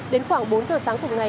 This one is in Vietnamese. đến khoảng bốn giờ sáng cùng ngày